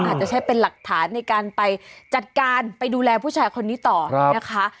อาจจะใช้เป็นหลักฐานในการไปจัดการไปดูแลผู้ชายคนนี้ต่อนะคะ